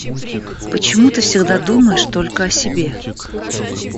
Почему ты всегда думаешь только о себе?